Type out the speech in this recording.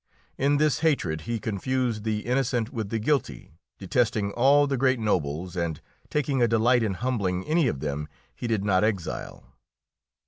In this hatred he confused the innocent with the guilty, detesting all the great nobles and taking a delight in humbling any of them he did not exile.